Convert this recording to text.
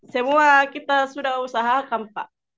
semua kita sudah usahakan pak